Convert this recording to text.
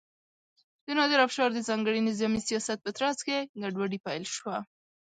د نادر افشار د ځانګړي نظامي سیاست په ترڅ کې ګډوډي پیل شوه.